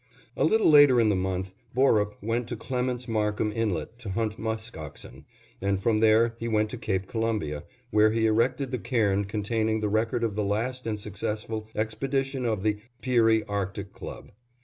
A little later in the month, Borup went to Clements Markham Inlet to hunt musk oxen, and from there he went to Cape Columbia, where he erected the cairn containing the record of the last and successful expedition of the "Peary Arctic Club."